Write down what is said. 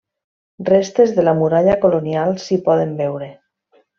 Restes de la muralla colonial s'hi poden veure.